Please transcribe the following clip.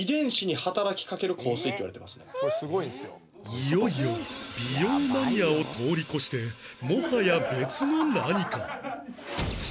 いよいよ美容マニアを通り越してもはや別の何か